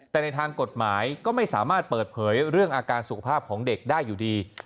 แต่ในทางกฎหมายก็ไม่สามารถเปิดเผยเรื่องอาการสุขภาพของเด็กได้อยู่ดี